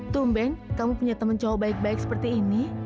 tumben kamu punya teman cowok baik seperti ini